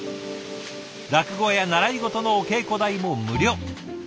落語や習い事のお稽古代も無料。